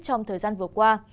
trong thời gian vừa qua